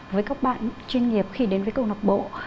với các bạn chuyên nghiệp khi đến với câu lạc bộ